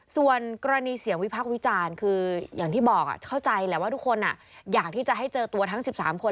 ส่วนกรณีเสียงวิพักษ์วิจารณ์คืออย่างที่บอกเข้าใจแหละว่าทุกคนอยากที่จะให้เจอตัวทั้ง๑๓คน